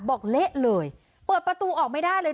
เละเลยเปิดประตูออกไม่ได้เลย